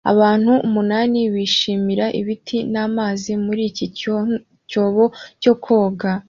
Abantu umunani bishimira ibiti n'amazi muri iki cyobo cyo koga